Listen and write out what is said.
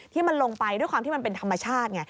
ที่มันลงไปด้วยความที่มันเป็นธรรมชาติไง